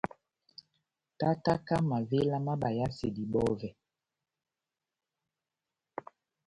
Tátáka mavéla má bayasedi bɔvɛ.